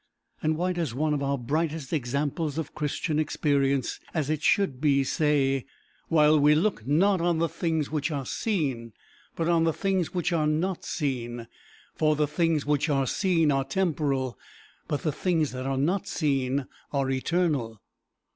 And why does one of our brightest examples of Christian experience, as it should be, say, "While we look not on the things which are seen, but on the things which are not seen; for the things which are seen are temporal, but the things that are not seen are eternal"?